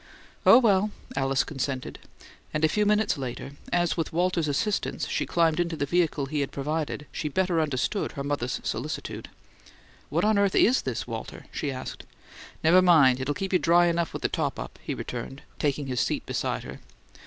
"Oh, well," Alice consented; and a few minutes later, as with Walter's assistance she climbed into the vehicle he had provided, she better understood her mother's solicitude. "What on earth IS this, Walter?" she asked. "Never mind; it'll keep you dry enough with the top up," he returned, taking his seat beside her.